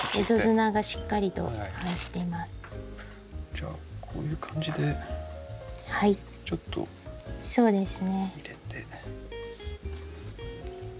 じゃあこういう感じでちょっと入れて。